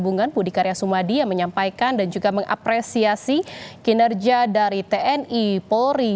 dan hubungan budi karya sumadi yang menyampaikan dan juga mengapresiasi kinerja dari tni polri